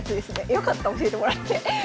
よかった教えてもらって。